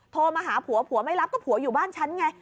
โทรมาหาผัวผัวไม่รับก็ผัวอยู่บ้านฉันไง